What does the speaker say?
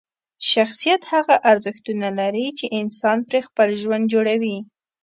شخصیت هغه ارزښتونه لري چې انسان پرې خپل ژوند جوړوي.